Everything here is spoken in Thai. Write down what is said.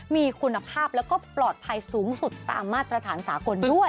มีคุณภาพแล้วก็ปลอดภัยสูงสุดตามมาตรฐานสากลด้วย